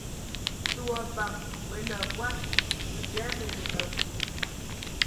Tə o abam Mə nə abɔd, və da mə nə abui.